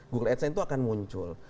google adsen itu akan muncul